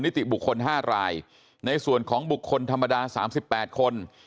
คนิติบุคคลห้ารายในส่วนของบุคคลธรรมดาสามสิบแปดคน